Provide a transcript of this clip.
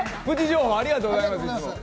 プチ情報ありがとうございます。